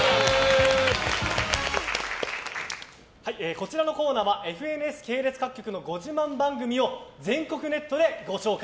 こちらのコーナーはＦＮＳ系列各局のご自慢番組を全国ネットでご紹介。